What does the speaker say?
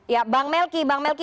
ya bang melky bang melky